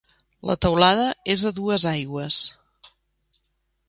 La teulada és a dues aigües.